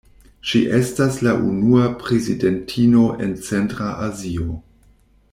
Ŝi estas la unua prezidentino en Centra Azio.